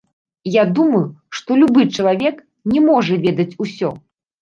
Я думаю, што любы чалавек не можа ведаць усё.